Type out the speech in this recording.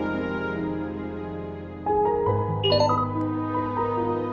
gimana kita akan menikmati rena